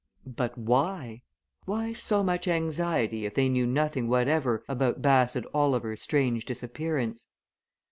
But why? why so much anxiety if they knew nothing whatever about Bassett Oliver's strange disappearance?